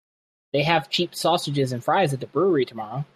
They have cheap sausages and fries at the brewery tomorrow.